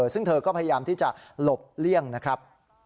ซึ่งเธอก็พยายามที่จะหลบเลี่ยงนะครับ